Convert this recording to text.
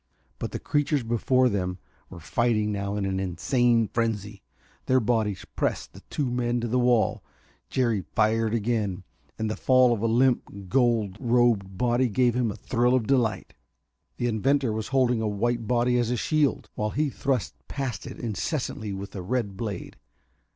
But the creatures before them were fighting now in an insane frenzy. Their bodies pressed the two men to the wall. Jerry fired again, and the fall of a limp, gold robed body gave him a thrill of delight. The inventor was holding a white body as a shield, while he thrust past it incessantly with a red blade.